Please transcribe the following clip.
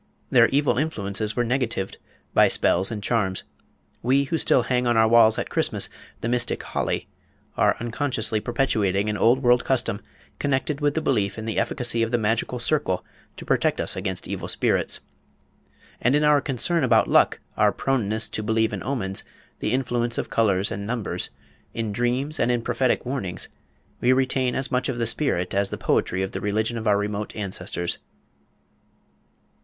Their evil influences were negatived by spells and charms. We who still hang on our walls at Christmas the mystic holly, are unconsciously perpetuating an old world custom connected with belief in the efficacy of the magical circle to protect us against evil spirits. And in our concern about luck, our proneness to believe in omens, the influence of colours and numbers, in dreams and in prophetic warnings, we retain as much of the spirit as the poetry of the religion of our remote ancestors.